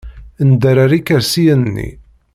Nderrer ikersiyen-nni.